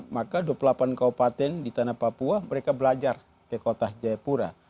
maka dua puluh delapan kaupaten di tanah papua mereka belajar di kota jayapura